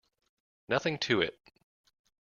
Nothing to it.